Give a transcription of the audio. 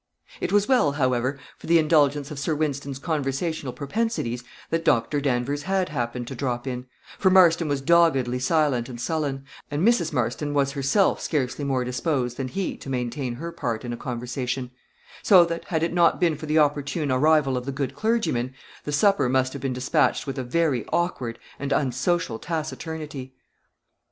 It was well, however, for the indulgence of Sir Wynston's conversational propensities, that Dr. Danvers had happened to drop in; for Marston was doggedly silent and sullen, and Mrs. Marston was herself scarcely more disposed than he to maintain her part in a conversation; so that, had it not been for the opportune arrival of the good clergyman, the supper must have been dispatched with a very awkward and unsocial taciturnity.